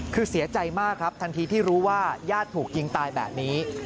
คือเสียใจมากครับทันทีที่รู้ว่าญาติถูกยิงตายแบบนี้